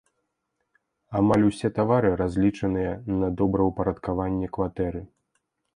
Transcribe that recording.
Амаль усе тавары разлічаныя на добраўпарадкаванне кватэры.